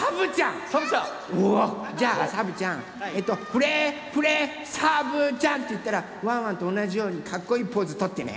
「フレフレさぶちゃん」っていったらワンワンとおなじようにかっこいいポーズとってね。